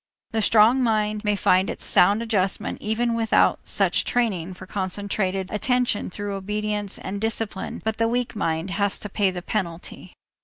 The strong mind may find its sound adjustment even without such training for concentrated attention through obedience and discipline but the weak mind has to pay the penalty.